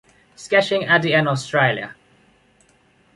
Sketching at the end of Australia.